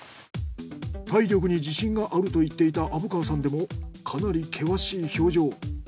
体力に自信があると言っていた虻川さんでもかなり険しい表情。